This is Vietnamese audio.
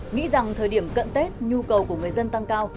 nghĩ rằng thời điểm cận tết nhu cầu của người dân tăng cao